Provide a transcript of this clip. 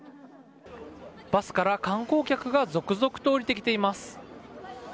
バスから観光客が続々と降りてきています。